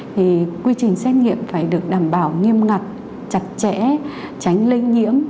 thì quy trình xét nghiệm phải được đảm bảo nghiêm ngặt chặt chẽ tránh lây nhiễm